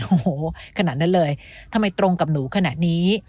โอ้โหขนาดนั้นเลยทำไมตรงกับหนูขนาดนี้